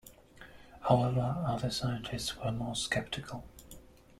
However, other scientists were more skeptical.